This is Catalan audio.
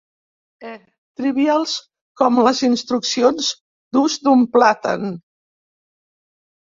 E. Trivials com les instruccions d'ús d'un plàtan.